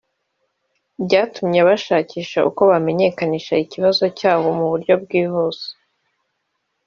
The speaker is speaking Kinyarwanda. byatumye bashakisha uko bamenyekanisha ikibazo cyabo mu buryo bwihuse